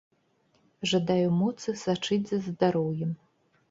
Жадаю моцы сачыць за здароўем!